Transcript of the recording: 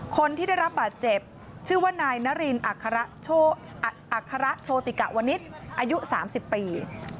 คนที่ได้รับบาดเจ็บชื่อว่านายนารินอัคระอัคระโชติกะวนิษฐ์อายุ๓๐ปี